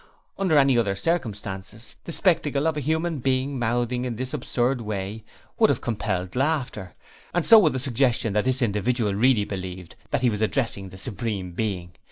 Under any other circumstances, the spectacle of a human being mouthing in this absurd way would have compelled laughter, and so would the suggestion that this individual really believed that he was addressing the Supreme Being.